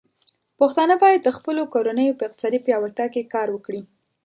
پښتانه بايد د خپلو کورنيو په اقتصادي پياوړتيا کې کار وکړي.